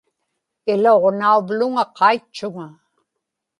iluġnauvluŋa qaitchuŋa